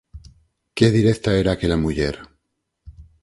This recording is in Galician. ¡Que directa era aquela muller!